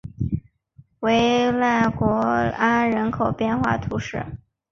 维勒古安人口变化图示